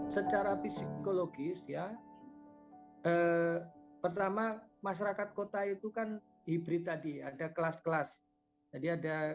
secara psikologis ya pertama masyarakat kota itu kan hibrid tadi ada kelas kelas jadi ada